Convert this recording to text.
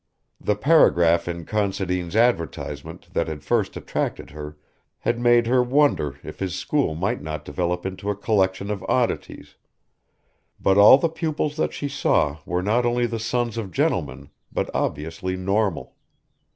The paragraph in Considine's advertisement that had first attracted her had made her wonder if his school might not develop into a collection of oddities, but all the pupils that she saw were not only the sons of gentlemen but obviously normal.